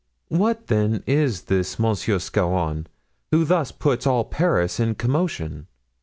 "What, then, is this Monsieur Scarron, who thus puts all Paris in commotion?